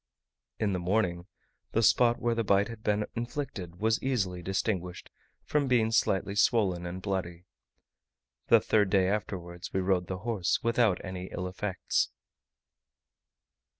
In the morning the spot where the bite had been inflicted was easily distinguished from being slightly swollen and bloody. The third day afterwards we rode the horse, without any ill effects.